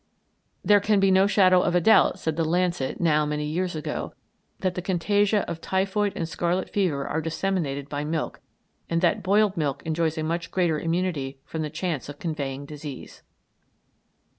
"There can be no shadow of doubt," said the Lancet now many years ago, "that the contagia of typhoid and scarlet fever are disseminated by milk, and that boiled milk enjoys a much greater immunity from the chance of conveying disease."